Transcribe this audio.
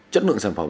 chất lượng sản phẩm